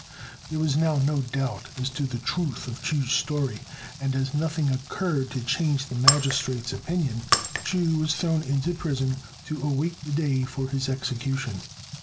There was now no doubt as to the truth of Chu's story; and as nothing occurred to change the magistrate's opinion, Chu was thrown into prison to await the day for his execution.